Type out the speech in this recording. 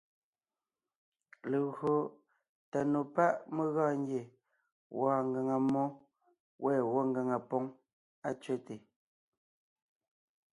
Legÿo tà nò pá’ mé gɔɔn ngie wɔɔn ngàŋa mmó, wὲ gwɔ́ ngàŋa póŋ á tsẅέte.